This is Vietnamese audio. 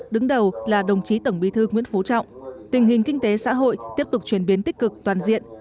đứng đầu là đồng chí tổng bí thư nguyễn phú trọng tình hình kinh tế xã hội tiếp tục truyền biến tích cực toàn diện